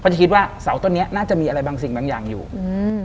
จะคิดว่าเสาต้นเนี้ยน่าจะมีอะไรบางสิ่งบางอย่างอยู่อืม